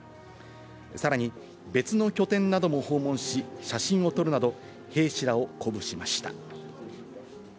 さらに別の拠点なども訪問し、写真を撮るなど、兵士らを鼓舞しました。